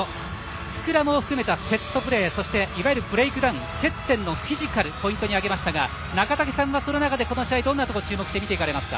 スクラムを含んだセットプレー、そしていわゆるブレイクダウン接点のフィジカルポイントに挙げましたが中竹さんはその中でこの試合どこに注目しますか？